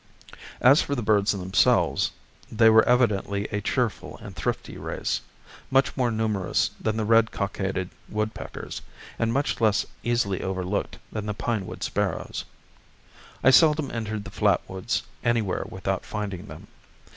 As for the birds themselves, they were evidently a cheerful and thrifty race, much more numerous than the red cockaded woodpeckers, and much less easily overlooked than the pine wood sparrows. I seldom entered the flat woods anywhere without finding them.